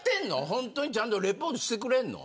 本当にちゃんとリポートしてくれるの。